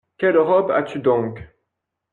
Quelle robe as-tu donc ?